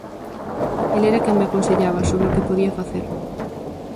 El era quen me aconsellaba sobre o que podía facer.